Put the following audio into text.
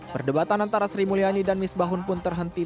perdebatan antara sri mulyani dan miss bahun pun terhenti